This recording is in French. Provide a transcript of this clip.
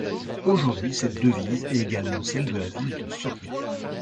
Aujourd'hui cette devise est également celle de la ville de Soria.